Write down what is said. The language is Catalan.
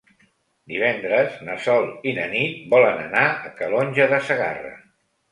Divendres na Sol i na Nit volen anar a Calonge de Segarra.